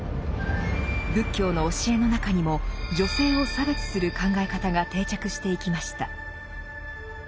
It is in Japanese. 仏教の教えの中にも女性を差別する考え方が定着していきました。